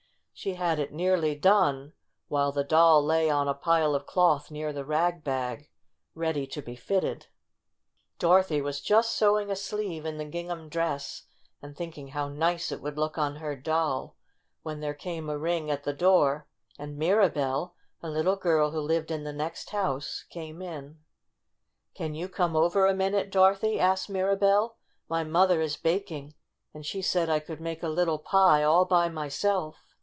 She had it nearly done, while the Doll lay on a pile of cloth near the rag bag ready to be fitted. Dorothy was just sewing a sleeve in the gingham dress, and thinking how nice it would look on her doll, when there came a ring at the door, and Mirabell, a little girl who lived in the next house, came in. "Can you come over a minute, Doro thy ?" asked Mirabell. "My mother is baking, and she said I could make a little pie all by myself.